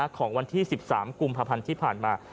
ของวันที่๑๓กุมภาพันธ์ที่ผ่านมา